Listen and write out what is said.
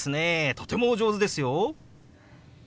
とてもお上手ですよ！